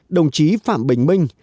đồng chí phạm bình minh